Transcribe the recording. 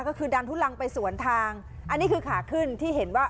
ก็คือดันทุลังไปสวนทางอันนี้คือขาขึ้นที่เห็นว่า